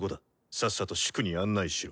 さっさと粛に案内しろ。